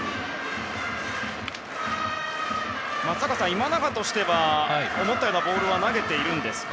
松坂さん、今永としては思ったようなボールは投げているんですか？